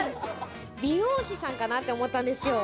美容師さんかなって思ったんですよ。